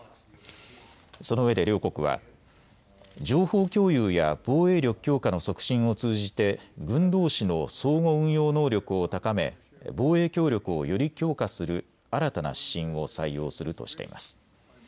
そのうえで両国は情報共有や防衛力強化の促進を通じて軍どうしの相互運用能力を高め防衛協力をより強化する新たな指針を採用するとしています。